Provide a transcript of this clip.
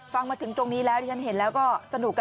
มาถึงตรงนี้แล้วที่ฉันเห็นแล้วก็สนุก